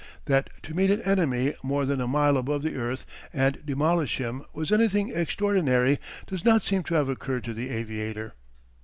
That to meet an enemy more than a mile above the earth and demolish him was anything extraordinary does not seem to have occurred to the aviator.